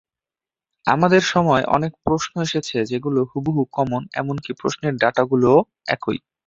আমাদের সময় অনেক প্রশ্ন এসেছে যেগুলো হুবুহু কমন এমনকি প্রশ্নের ডাটাগুলোও একই।